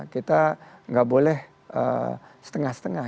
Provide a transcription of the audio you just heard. kita nggak boleh setengah setengah